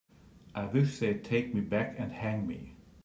I wish they'd take me back and hang me.